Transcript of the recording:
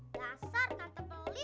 dasar tante pelik